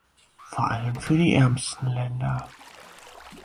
Vor allem für die ärmsten Länder.